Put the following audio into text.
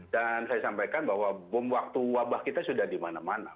dan saya sampaikan bahwa bom waktu wabah kita sudah di mana mana